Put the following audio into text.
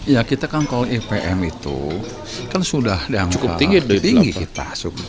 ya kita kan kalau ipm itu kan sudah diangkat tinggi kita